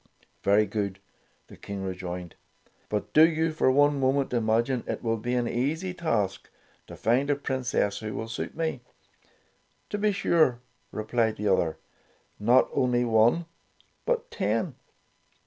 ''Very good,'' the King rejoined, "but do you for one moment imagine it will be an easy task to find a Princess who will suit me ?" "To be sure," replied the other; "not only one, but ten."